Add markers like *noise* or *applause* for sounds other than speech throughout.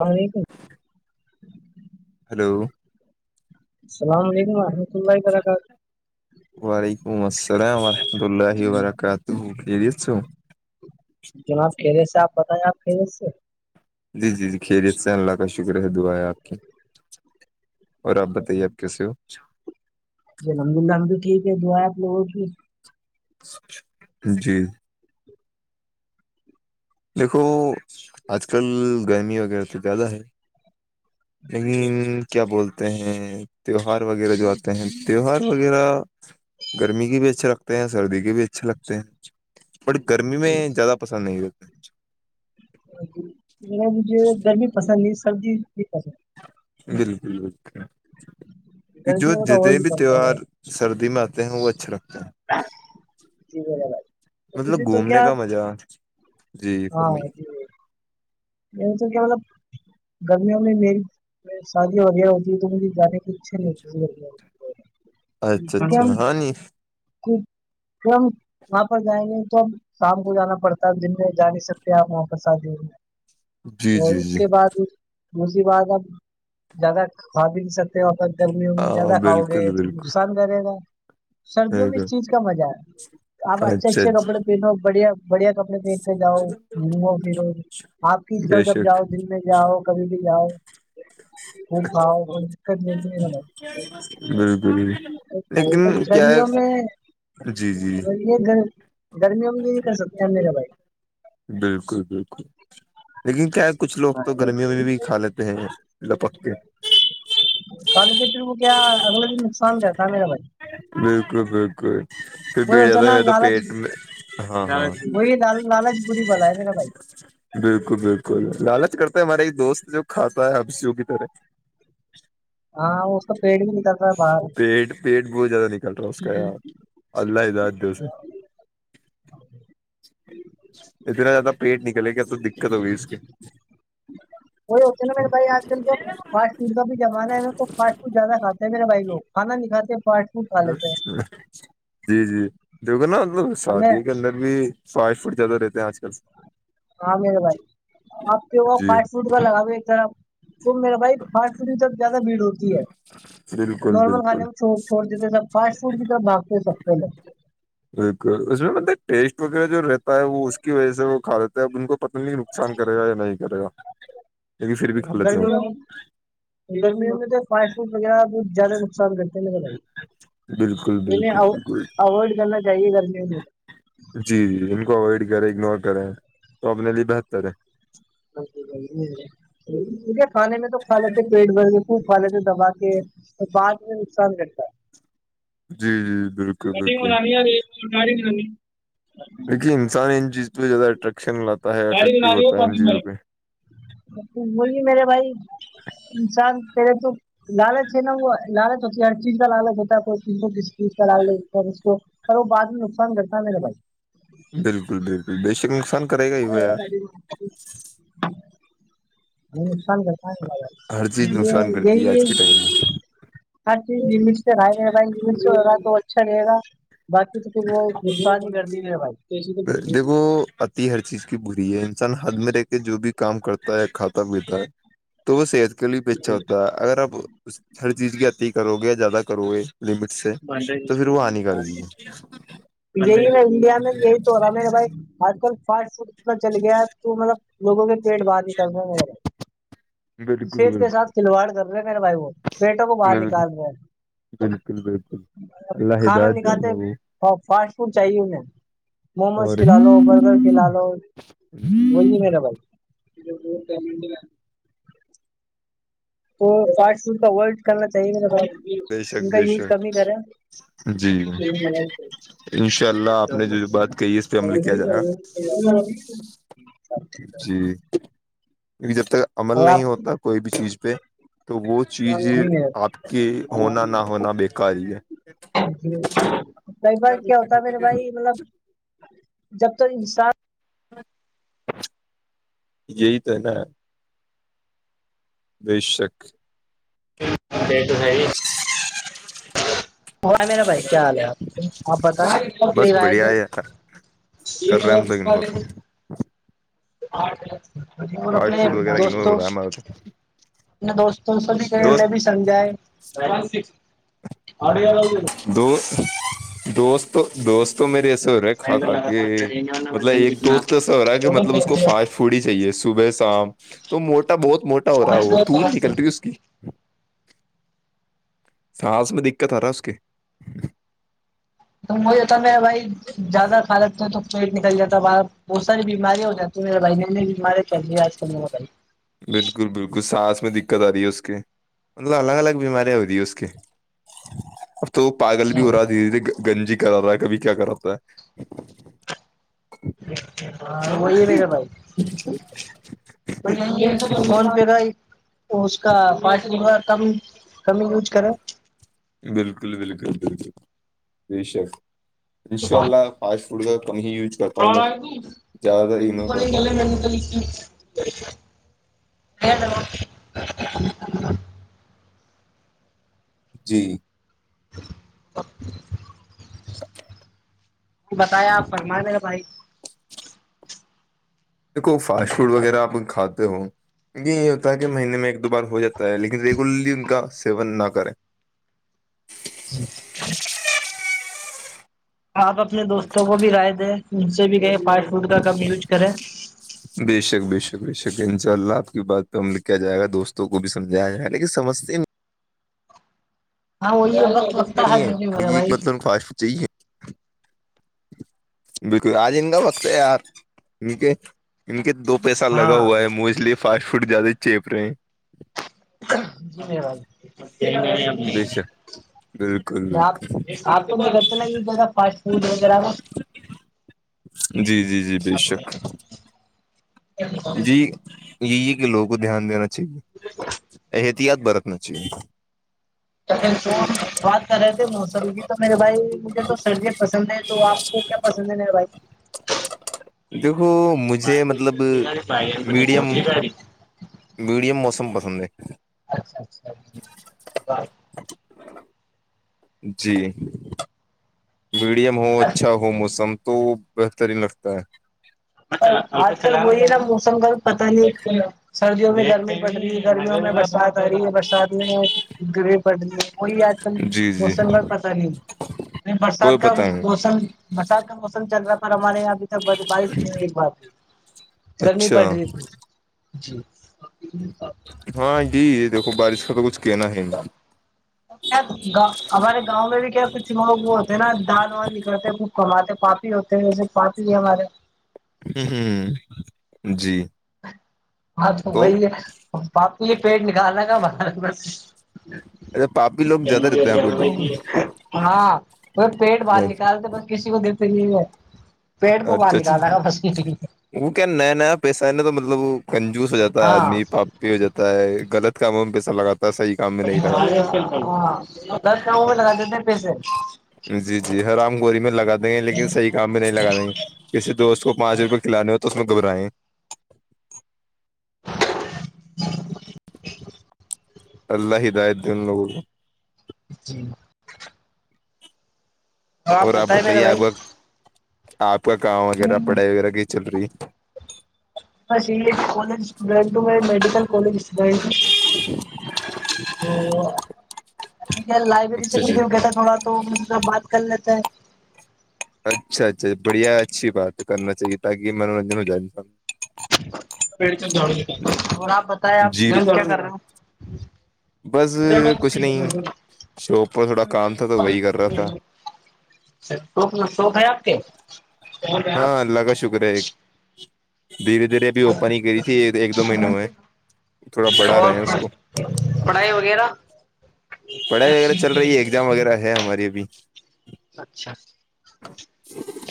الاںلیکم hello السلام علیکم وحمت خ وعلیکم السلام ورحمۃ اللہ وبرکاتہ کیریسو جناب کیلے سے آپ بتائییں آپ کیلے سے جی جی جی خیریت سے اللہ کا شکر ہے دعا ہے آپ کی اور آپ بتائیے آپ کیسے ہو جی الحمد للہ ہم بھی ٹھیک ہے دعاپ لووں کی جی دیکھو آج کل گرمی وغیرہ تو زیادہ ہے لیکن کیا بولتے ہیں تیوہار وغیرہ جو آتے ہیں تیوہار وغیرہ گرمی کے بھی اچھے لگتے ہیں سردی کے بھی اچھے لگتے ہیں پر گرمی میں زیادہ پسند نہیں ہوتے مجھے گرمی پسند نہیں سردی نہیں پسند بالکل بالکل نہیں۔ کہ جو گرمی ہو تو جتنے اوائڈ بھی کرتا ہوں میں۔ تہوہار سردی میں آتے ہیں وہ اچھے رکھتے ہیں جی میرا بھائی تو مطلب مجھے تو گھومنے کیا کا مزہ جی فرمائیے م تو کیا مطلب گرمییا ہوئی میری سعودی ایا ہوتی تو مجھے جان کی اچھا نہیں اچھا ہوتی کیم اچھا ہاں نہیں کیم *unintelligible* وہاں پر جائیں گے تو ہم شام کو جانا پڑتا ہے دن میں جا نہیں سکتے آپ وہاں پر ساتھے جی اور جی اس جی کے بعد اس اس کے بد آپ زدہ کھا بھی نہیں سکتے اور گرمیوں میں ہاں زیادہ کاؤ گے بالکل تو بالکل نقصان رہے گا سردیوں میں بالکل اس چیز کا مزہ ہے آپ اچھے اچھا اچھے اچھا کپڑے پھرو بڑھیا بڑھیا کپڑے پہن کے جاؤ گھومو پھرو آپ کی طرح بے جب شک جاؤ دن میں جاؤ کبھی بھی جاؤ خب کھاؤ ب دقت ملتی ہے ن بالکل لیکن کیا گرمیوں میں جی جی یہ گ گرمیوں میں یہ نہیں کر سکتے ہم میرا بھائی بالکل بالکل لیکن کیا کچھ لوگ تو گرمیوں میں بھی کھا لیتے ہیں لپکے کالی پیٹر کو کیا اگلے دن نقصان کرتا میرا بھائی بالکل بالکل پھر وہ ہوتا بھیڑتا نا میں تو پیٹ لالچ میں ہاں ہاں وہی ل لالچ پوری بلا ہے میرا بھائی بالکل بالکل لالچ کرتا ہے ہمارے ایک دوست جو کھاتا ہے ہپسییو کی طرح ہاں اس کا پیٹ بھی نکال پیٹ پیٹ بہت زیادہ نکل رہا ہے اس کا یار اللہ داد د اسے ا *inaudible* اتنا زیادہ پیٹ نکلے گا تو دقت ہوگی اس کے وہی ہوتے نا م بھائی آج کل کیا فاسٹ فڈ کا بھی ج ہمے فاٹ فڈدہ کھاتا میرے بھائیو کانا نہیں کاتاےاٹ جی جی دیکھو نا مطلب ہمیں شادی ہے کے اندر بھی فائیو فٹ زیادہ رہتے ہیں آج کل عامیر بھائی آپ کے ہو جی فاسٹ فروٹ کا لگاوے ایک طرح تو میرا بھائی ب ف تک زیادہ بھیڑ ہوتی ہے بالکل نارمل بالکل کھانے میں چھو چھوڑ دیتے سب فاسٹ فوڈ کی طرف باگتے سکتے ایک اس میں مطلب ٹیسٹ وغیرہ جو رہتا ہے وہ اس کی وجہ سے وہ کھا لیتا ہے اب ان کو پت نہیں نہیں نقصان کرے گا یا نہیں کرے گا لیکن پھر بھی کھا لیتے ہ گرمیوں گرمیوں میں تو فائی فروٹ وغیرہ زیادہ نقصان کرتےنے ن لگے بالکل بالکل بالکل اوائڈ کرنا چاہیے گرمی می جی جی ان کو اوائڈ کرے اگنور کرے تو اپنے لیے بہتر ہے ا ج ج *unintelligible* ے کھانے میں تو کھا لیتے پیٹ بھر کے خوب کھا لیتے دبا کے تو بعد میں نقصان کرتا ہے جی جی بالکل کٹنگ بالکل بنانی ہے ک بنانی کیی کھی انسان ان چیز پہ زیادہ اٹریکشن لاتا ہے گاڑی اٹریکٹو بنانی ہو ہوتا ہے ان پانی چیزوں بھائی پہ وہی میرے بھائی انسان پیرے تو لالچ ہے نا وہ لالچ ہوتی ہے ہر چیز کا لالچ ہوتا ہے کوئی چی کرال اس کو اور وہ بعد میں نقصان کرتا ہے میرا بای بالکل بالکل بے شک نقصان کرے گا ہی وہ یار اچھا *unintelligible* نقصان کرتا ہر چیز ہے نقصان یہ کرتی ہے یہی آج کے ٹائم میں ہر چیزگل سے ر رہےگش سےیرا تو اچھا رہے گا بقی تو ک بت شانی گ ہے بائی دیکھو پتی ہر چیز کی بری ہے انسان حد میں رہ کے جو بھی کام کرتا ہے کھاتا پیتا ہے تو وہ صحت کے لیے بھی اچھا ہوتا ہے اگر آپ اس ہر چیز کی عتیھی کرو گے یا زیادہ کرو گے لمیٹ سے تو پھر وہ ہانی کرے گی یہ میں انڈیا میں گئی ہو رہا میرا بھائی آج کل فاسٹ فوڈ اتنا چل گیا تو مطلب لوگوں کے پیٹ بعر نکلنا ہے بالکل سیر کے بالکل ساتھ کھلواڑ کر رہے ہیں میرے بھائی وہ پیٹوں کو باہر بالکل نکال رہے ہیں بالکل بالکل اللہ کھانا ہدایت نہیں دے ان کھاتے لوگوں فاسٹ فوڈ چاہیے انہیں موموز اور کلا ہ لو برگر لو وہی ہے میرا بھائی تو فاسٹ فوڈ کا ورلڈ کرنا چاہیے بے شک ان کا بے یوز کم شک ہی کرے جی انشاء اللہ آپ نے جو جو بات کہی ہے اس پہ عمل اچھا کیا جائے گا جی کیک جب تک عمل اور نہیں آپ ہوتا کوئی بھی چیز پہ تو وہ چیز جی میرے آپ کے ہونا نہ ہونا بیکاری ہے جی کئی بار کیا ہوتا ہے مے بھائی مطلب جب تو انسان یہی تو ہے نا بے شک جی توحری میرا بھائی کیا حال ہے آپ آپ بت لے بس آئے بڑھیا تھے ہے یار، یہ کر رہے جو ہیں ہم تو کس تھ اگنور اور فاسٹ اپنے فوڈ وغیرہ اگنور ہو دوستوں رہا ہے ہمارا تو اپ دوستوںو بھی کہ دوست بھی سمجائے دو دوست تو دوست تو میرے ایسے ہو رہے ہے میں کھا اگر کھاے لگاتار کریں گے ورنہ میں مطلب دن ایک کتنا دوست ایسا ہو رہا ہے کہ ٹوٹل مطلب اس پہنچ کو گئے فاسٹ پوڑی چاہیے صبح شام تو موٹا بہت موٹا ہو رہا ہے وہ توند پانچ نکل رہی اس کی سس میں دقت آ رہا ہے اس کے تو وہ ہوتا میں بھائی زیادہ کھا لکتا ہیںوں تو پیٹ نکل جاتا بہت ساری بیمارییا ہو جاتی میرے بہن نے بھی بیماریں چی آج کل بالکل بالکل سانس میں دقت آ رہی ہے اس کے مطلب الگ الگ بیماریاں ہو رہی ہے اس کے اب *inaudible* تو پاگل بھی ہو رہا ہے دھیرے دھیرے گنجی کرا رہا ہے کبھی کیا کراتا ہے وہئی فون پہیر ہی تو اس کا پٹ لیا کم کم یوز کرے بالکل بالکل بالکل ش انشاء اللہ فاسٹ فوڈ کا کم ہی یوز کرتا ہوں میں زیادہ تر کرتا ہوں ھم کیا جی *inaudible* بتایا آپ فرما لے گا بھائی دیکھو فاسٹ فوڈ وغیرہ آپ کھاتے ہو یہ یہ ہوتا ہے کہ مہینے میں ایک دو بار ہو جاتا ہے لیکن ریگولرلی ان کا سیون نہ کریں جی آپ اپنے دوستوں کو بھی رائے دیں ان سے بھی کہئے فاسٹ فوڈ کا کم یوز کریں بے شک بے شک بے شک انشاء اللہ آپ کی بات پہ ہم لکھ کیا جائے گا دوستوں کو بھی سمجایا جائے گا لیکن سمجتے میں ہاں وہ نہیں ہے یہ ایک مطلب فاسٹ فوڈ چاہیے *inaudible* بالکل آج ان کا وقت ہے آ ان کے ان کے دو پیسہ ہاں لگا ہے موسٹلیے فاسٹ فوڈ زیادہ چیپ رہے ہیں د ہیں بے نہیں شک بالکل میں آپ بالکل آپ کوتے ن زیادہ فاسٹ فوڈ وغیرہ میں جی جی جی بے شک جی یہی ہے کہ لوگوں کو دھیان دینا چاہیے احتیاط برتنا چاہیے س بات کر رہے تھے موسم کی تو میرے بھائی مجھے تو سردیا پسند ہے تو آپ کو کیا پسند نہیں بھائی دیکھو مجھے مطلب میڈیم میڈیم موسم پسند ہے اچھا اچھا جی جی میڈیم ہو اچھا ہو موسم تو بہترین لگتا ہے آج کل وہلیے نا موسم کا پتا نہیں ہے سردیوں میں گرمی پڑ رہی ہے گرمیوں میں برسات آ رہی ہے برسات میں گربے پڑ رہی ہیں وہی آج کل ہے جی جی موسم ب پتہ نہیں نہیں برسات کوئی کا پتا نہیں موسم برسات کا موسم چل رہا پر ہمارے یہاں ابھی تک بارش بات گرمی اچھا پڑ رہی تھی جی ہاں جی دیکھو بارش کا تو کچھ کہنا ہے ؤ ہمارے گاؤں میں بھی کیا کچھگ وہ ہوتے ہیں نا دال وان نکلتے کچ کماتے پاپی ہوتے ہیں پاپی ہی ہمارے ہ ہ جی ہاں تو وہی ہے پاپی یہ پیٹ نکالا تھا باہر ا پ ہاں پیٹ باہر میں نکالتے بس کسی کو د ہے پیٹ پ باہر اچھا اچھا نکالا گا بس کی فری وہ کیا نیا نیا پیسہ ہے نا تو مطلب وہ کنجوس ہو جاتا ہے ہاں آدمی پاپی ہو جاتا تا ہے غلط کاموں میں پیسہ لگاتا ہے صحیح کام میں نہیں لگاتا دس کیا وہ لگا دینے پیسے جی جی ہرام گور میں لگا دیں گے لیکن صح کام میں نہیں لگا دیں گے کسی دوست کو پانچ روپئے کھلانے ہو تو اس میں گھبرائیں *inaudible* اللہ ہاائے د لو جی تو اور آپ بتائیں میرے بتائیے آپ بھائی کا آپ کا کام جی وغیرہ پڑھائی وغیرہ کی چل رہی ہے بس یہ کالج اسٹوڈینٹ ہوں میں میڈیکل کالج اسٹوڈینٹ ہ ہ لائبریری سے اچھا جی کھ گتا تھوڑا تو ان سے بات کر لیتے ہیں اچھا اچھا بڑھیا اچھی بات ہے کرنا چاہیے تاکہ منورنجن ہو جائے س اور آپ بت آپ جی کیا کر رہے بس ہ کچھ نہیں شاپ پر *unintelligible* تھوڑا کام تھا تو وہی کر رہا تھا اچ شوق ن شوق ہے آپ کے ہاں اللہ کا شکر ہے دھیرے دھیرے ابھی اوپن ہی کری تھی ایک دو مہینوں میںئے اور پڑھائی وغیرہ پڑھائی وغیرہ چل رہی ہے ایگزام وغیرہ ہے ہماری ابھی اچھا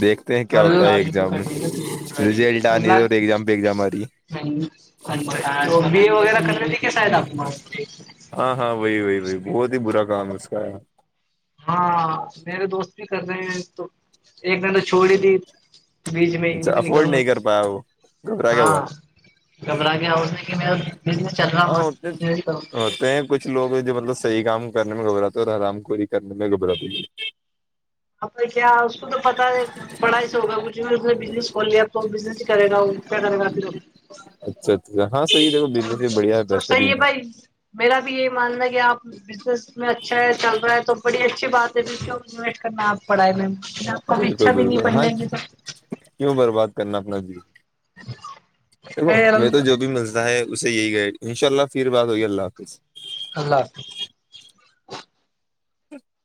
دیکھتے ہیں ک کیا ہوتا ہے ایگزام میں ریزلٹ آ نہیں رہے اور ایگزام پہ ایگزام آ رہی ہے ک وغیرہ کرنے تے کیا شاید آپ ہاں ہاں وہی وہی وہی بہت ہی برا کام ہے اس کا ہاں میرے دوست بھی کر رہے ہیں تو ایک نے تو چھوڑ ہی دی بیچ میں اچھا نہیں افورڈ کروں گا تو کر پایا وہ گھبرا کیا ہاں ہوا گمرہ کیا میں کہ بزس چل رہا ہاں اتنے ہوتے ہیں کچھ لوگ جو مطلب صحی کام کر میں گھبراتے ہو اور حرام کووری کرنے میں گھبراتی کیا اس کو تو پتہ ہے پڑھائی سے ہوگا کچھ بھی بزنس کھول لیا تو بزنس ہی کرے گا کیا کرے گا پھر اچھا اچھا ہاں صحیح دیکھو بزنس بھی بڑھیا ہے تو صحیح بہترین ہے بھائی میرا بھی یہی ماننا کہ آپ بزنس میں اچھا ہے چل رہا ہے تو بڑی اچھی بات ہے میں آپ پڑائیں میں آپ ہے کوبھی اچھا بالکل بھی نہیں بالکل پڑھ ہاں لیں گے سر کیوں برباد کرنا اپنا جی دیکھو میں تو جو بھی مزلہ ہے اسے یہی ان شاء اللہ پھر بات ہوئی اللہ حافظ اللہ حافظ *inaudible*